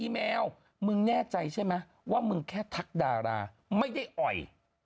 ไม่ได้อ่อย